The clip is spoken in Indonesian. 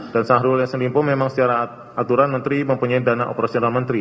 dan saharul yasin limpo memang secara aturan menteri mempunyai dana operasional menteri